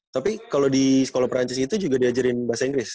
tapi kalau di sekolah perancis itu juga diajarin bahasa inggris